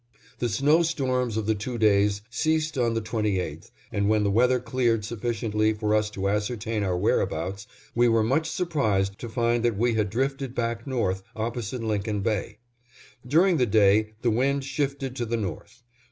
The snow storms of the two days ceased on the 28th, and when the weather cleared sufficiently for us to ascertain our whereabouts, we were much surprised to find that we had drifted back north, opposite Lincoln Bay. During the day the wind shifted to the north.